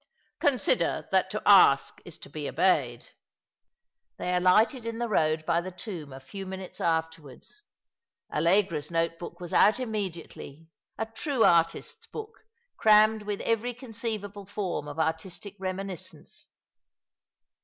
" Consider that to ask is to be obeyed." They alighted in the road by the tomb a few minutes afterwards. AUegra's note book was out immediately, a true artist's book, crammed with every conceivable form of artistic reminiscence.